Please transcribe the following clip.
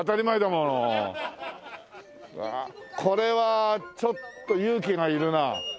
これはちょっと勇気がいるなあ。